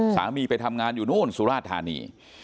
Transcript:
สามีไปทำงานอยู่นู้นสุราฐานี่